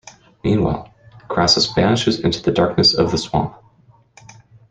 Meanwhile, Crassus vanishes into the darkness of the swamp.